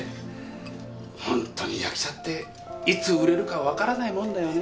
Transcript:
本当に役者っていつ売れるか分からないもんだよね